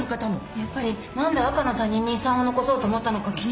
やっぱり何で赤の他人に遺産を残そうと思ったのか気になります。